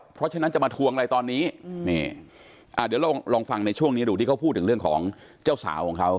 เพราะฉะนั้นจะมาทวงอะไรตอนนี้เดี๋ยวลองฟังในช่วงนี้ดูที่เขาพูดถึงเรื่องของเจ้าสาวของเขา